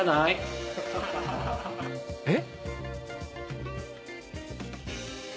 えっ？